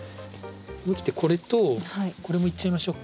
思い切ってこれとこれもいっちゃいましょうか。